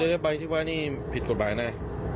เดี๋ยวใบที่ไว้นี่ผิดกฎหมายแน่